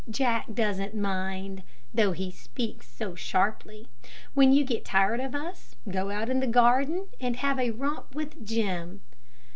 Jack doesn't mind, though he speaks so sharply. When you get tired of us go out in the garden and have a romp with Jim."